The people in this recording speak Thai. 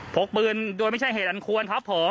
พกปืนโดยไม่ใช่เหตุอันควรครับผม